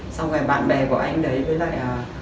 xong rồi bạn bè của anh đấy với lại